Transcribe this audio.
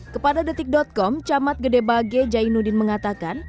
kepada detik com camat gede bage jai nudin mengatakan